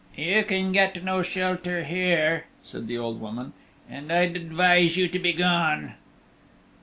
"You can get no shelter hem," said the old woman, "and I'd advise you to begone."